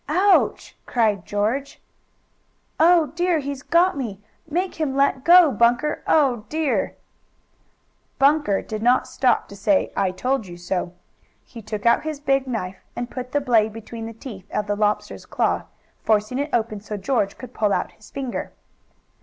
"Ouch!" cried George. "Oh dear! He's got me! Make him let go, Bunker! Oh, dear!" Bunker did not stop to say: "I told you so!" He took out his big knife, and put the blade between the teeth of the lobster's claw, forcing it open so George could pull out his finger.